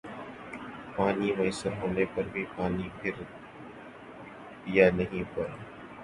پانی میسر ہونے پر بھی پانی پھر پیا نہیں ہر